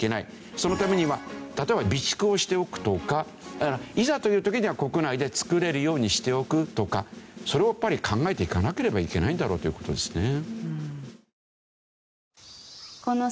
そのためには例えば備蓄をしておくとかいざという時には国内で作れるようにしておくとかそれをやっぱり考えていかなければいけないんだろうという事ですね。